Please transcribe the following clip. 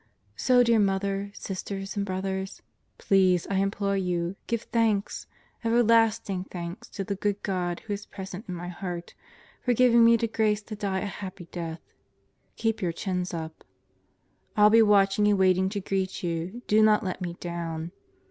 So dear Mother, sisters and brothers, please, I implore you, give thanks, everlasting thanks to the good God who is present in my heart, for giving me the grace to die a happy death. Keep your chins up. ... I'll be watching and waiting to greet you do not let me down.